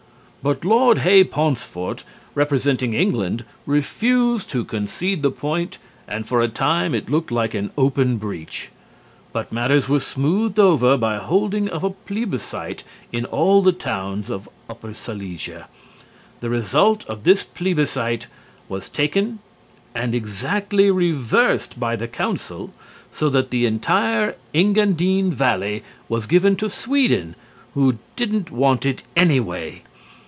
But Lord Hay Paunceforte, representing England, refused to concede the point and for a time it looked like an open breach. But matters were smoothed over by the holding of a plebiscite in all the towns of Upper Silesia. The result of this plebiscite was taken and exactly reversed by the council, so that the entire Engadine Valley was given to Sweden, who didn't want it anyway.